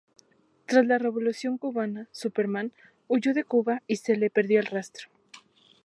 Tras la Revolución cubana, "Superman" huyó de Cuba y se le perdió el rastro.